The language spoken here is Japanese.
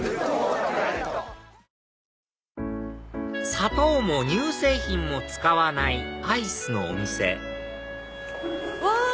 砂糖も乳製品も使わないアイスのお店うわ！